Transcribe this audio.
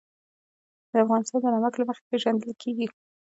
افغانستان د نمک له مخې پېژندل کېږي.